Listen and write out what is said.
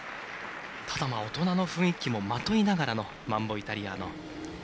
ただ、大人の雰囲気もまといながらの「マンボ・イタリアーノ」。